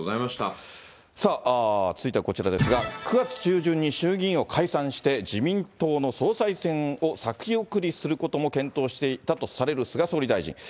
さあ、続いてはこちらですが、９月中旬に衆議院を解散して、自民党の総裁選を先送りすることも検討していたとされる菅総理大臣。